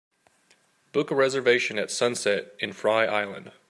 Book a reservation at Sunset in Frye Island